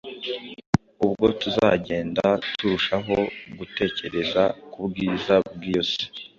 ubwo tuzagenda turushaho gutekereza k’ubwiza bw’iyo si